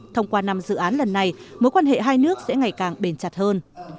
thông qua năm dự án lần này mối quan hệ hai nước sẽ ngày càng bền chặt hơn